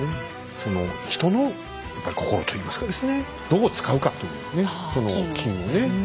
その人のやっぱり心と言いますかですねどう使うかというねその金をね。